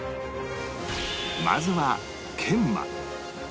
まずは研磨